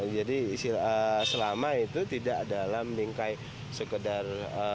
jadi selama itu tidak dalam bingkai sekedar